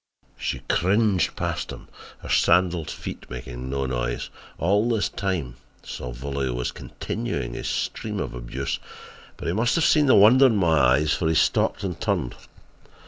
"Without a word she cringed past him, her sandalled feet making no noise. All this time Salvolio was continuing his stream of abuse, but he must have seen the wonder in my eyes for he stopped and turned.